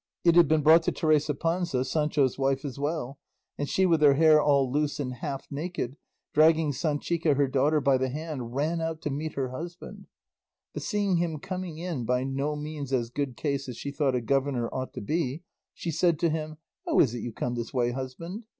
It had been brought to Teresa Panza, Sancho's wife, as well, and she with her hair all loose and half naked, dragging Sanchica her daughter by the hand, ran out to meet her husband; but seeing him coming in by no means as good case as she thought a governor ought to be, she said to him, "How is it you come this way, husband?